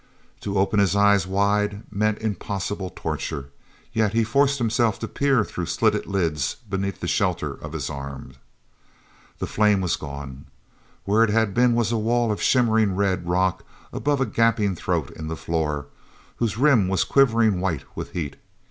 To open his eyes wide meant impossible torture, yet he forced himself to peer through slitted lids beneath the shelter of his arm. The flame was gone. Where it had been was a wall of shimmering red rock above a gaping throat in the floor, whose rim was quivering white with heat.